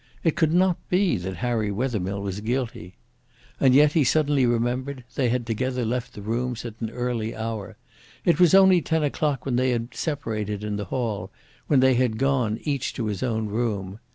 It could not be that Harry Wethermill was guilty. And yet, he suddenly remembered, they had together left the rooms at an early hour. It was only ten o'clock when they had separated in the hall, when they had gone, each to his own room.